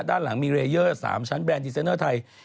ด้านหลังมีเรเยอร์๓ชั้นแบรนดรีเซนเนอร์ไทย